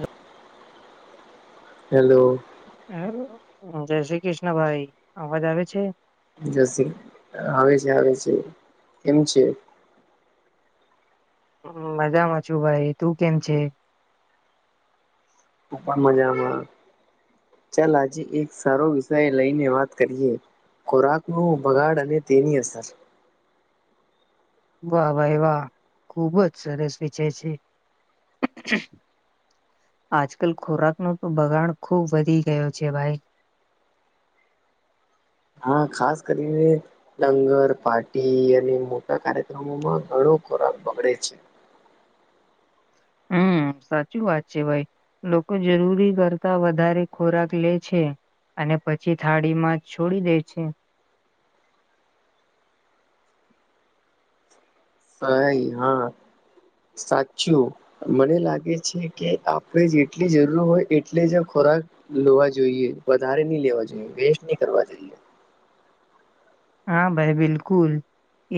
Hello. Hello હ જય શ્રી કૃષ્ણ ભાઈ, અવાજ આવે છે? આવેવે છે આવે છે, કેમ છે હમ્મ મજામાં છુ ભાઈ તું કેમ છે પણ મજામાં ચાલ આજે એક સારો વિષય લઈને વાત કરીએ, ખોરાકનું બગાડ અને તેની અસર વાહ વાહ એવા ખુબ જ સરસ વિચે છે આજકાલ ખોરાકનો તો બગાડ ખુબ વધી ગયો છે ભાઈ હા ખાસ કરીને ડંગર, પાર્ટી અને મોટા કાર્યક્રમોમાં ઘણો ખોરાક બગડે છે. હમ્મ સાચું વાત છે ભાઈ લોકો જરૂરી કરતા વધારે ખોરાક લે છે. અને પછી થાળીમાં છોડી દે છે. સાઈ હા સાચું મને લાગે છે કે આપણે જેટલી જરૂર હોય એટલે જ ખોરાક લોવા જોઈએ વધારે નહી લેવા જોઈએ વેસ્ટ નહી કરવા જોઈએ. હા ભાઈ બિલકુલ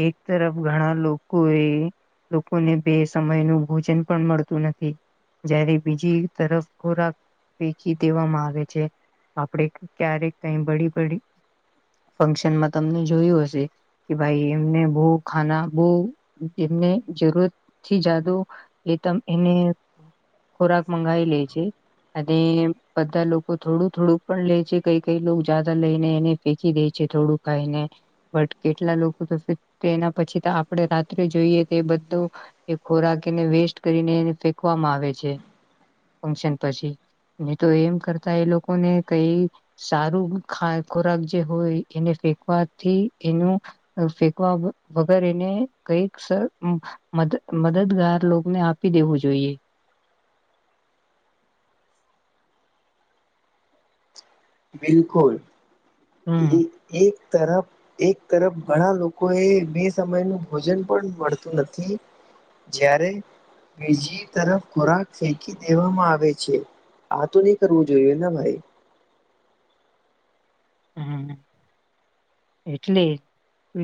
એક તરફ ઘણા લોકોએ લોકોને બે સમયનુ ભોજન પણ મળતું નથી. જયારે બીજી તરફ ખોરાક ફેકી દેવામાં આવે છે. આપણે ક્યારેક કઈ બડી બડી ફંક્શનમાં તમને જોયું હશે કે ભાઈ એમને બહુ ખાના બહુ એમને જરૂરત થી જાદુ એ ત એને ખોરાક મંગાવી લે છે. અને બધા લોકો થોડું થોડું પણ લે છે કઈ કઈ લોકો જાદા લઈને એને ફેંકી દે છે થોડુંક કઈને બટ કેટલા લોકો તો તેના પછી આપડે રાત્રે જોઈએ તે બધું એ ખોરાક એને વેસ્ટ કરીને એને ફેકવામાં આવે છે, ફંક્શન પછી નહી તો એમ કરતા એ લોકો ને કઈ સારું ખોરાક જે હોય એને ફેંકવાથી એનું ફેકવા વગર એને કઈક મદદ મદદગાર લોગને આપી દેવું જોઈએ. બિલકુલ હમ એક તરફ એક તરફ ઘણા લોકો એ બે સમયનુ ભોજન પણ મળતું નથી. જ્યારે બીજી તરફ ખોરાક ફેંકી દેવામાં આવે છે. આ તો નઈ કરવું જોઈએ, ભાઈ હમ્મ એટલે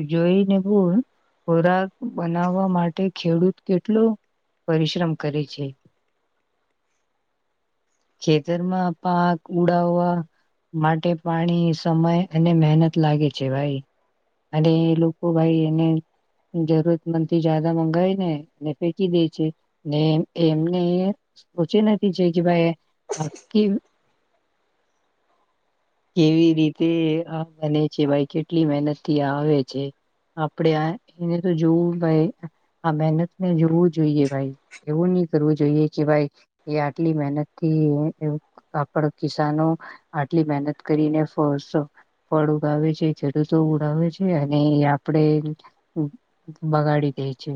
જોઈને ભૂલ ખોરાક બનાવવા માટે ખેડૂત કેટલો પરિશ્રમ કરે છે. ખેતરમાં પાક ઉડાવવા માટે પાણી સમય અને મહેનત લાગે છે ભાઈ અને એ લોકો ભાઈ એને જરૂરત મંદ થી જદા મંગાવાય ને એટલે ફેંકી દે છે. એમને સચી નથી જે કે ભાઈ આ કેવી રીતે? તે આ મને છે ભાઈ કેટલી મહેનત થી આવે છે આપડે આ એને તો જોવું ભાઈ હા મહેનત ને જોવું જોઈએ ભાઈ એવું નહી કરવું જોઈએ કે ભાઈ એ આટલી મહેનતથી આપડા કિસાનો આટલી મહેનત કરીને ફળ ઉગાવે છે ખેડૂતો ઉડાવે છે અને એ આપડે બગાડી દે છે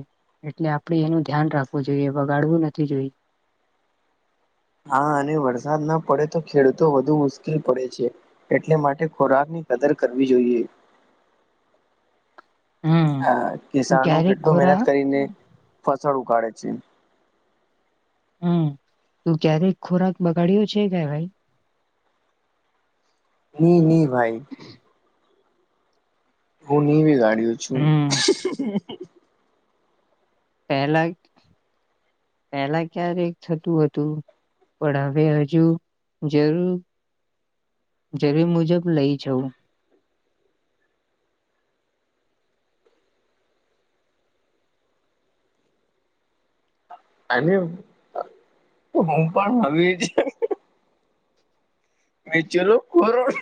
એટલે આપડે એનું ધ્યાન રાખવું જોઈએ બગાડવું નથી જોઈએ હા અને વરસાદ ના પડે તો ખેડૂતો વધુ મુશ્કેલ પડે છે. એટલે માટે ખોરાક ની કદર કરવી જોઈએ. હમ તું કિસાનો ક્યારેક કેટલું મહેનત ખોરા કરીને ફસલ ઉગાડે છે. હમ તું ક્યારેક ખોરાક બગાડયો છે કે ભાઈ નહી નહી ભાઈ હું નહી બગાડીયો છું હમ પહેલા પેલા ક્યારેક થતું હતું. પણ હવે હજુ જરૂર જરૂર મુજબ લઈ જઉું અને હું પણ હ મેચલું [unintelligible]